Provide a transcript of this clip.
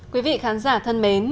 quý vị khán giả thân mến